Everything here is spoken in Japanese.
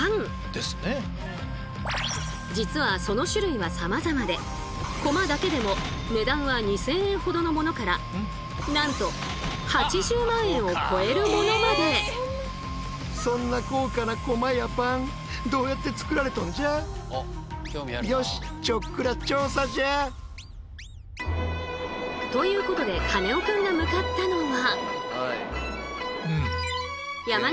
実はその種類はさまざまで駒だけでも値段は２，０００円ほどのものからなんと８０万円を超えるものまで！ということでカネオくんが向かったのは。